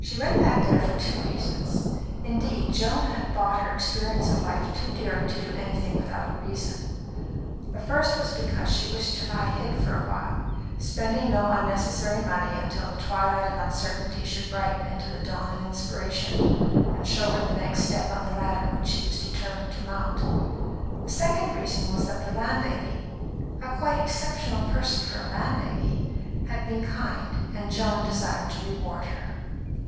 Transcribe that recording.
She went back there for two reasons; indeed, Joan had bought her experience of life too dearly to do anything without a reason. The first was because she wished to lie hid for awhile, spending no unnecessary money until the twilight of uncertainty should brighten into the dawn of inspiration and show her the next step on the ladder which she was determined to mount. The second reason was that the landlady a quite exceptional person for a landlady had been kind, and Joan desired to reward her.